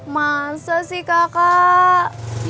masa sih kakak